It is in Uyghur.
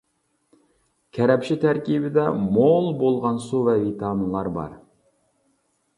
كەرەپشە تەركىبىدە مول بولغان سۇ ۋە ۋىتامىنلار بار.